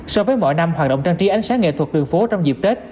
so với mọi năm hoạt động trang trí ánh sáng nghệ thuật đường phố trong dịp tết